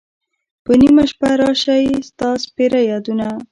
په نیمه شپه را شی ستا سپیره یادونه